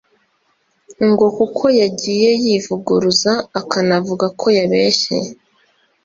ngo kuko yagiye yivuguruza akanavuga ko yabeshye